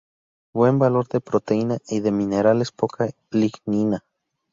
Buen valor de proteína y de minerales, poca lignina.